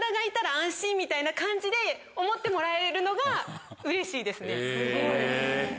みたいな感じで思ってもらえるのがうれしいですね。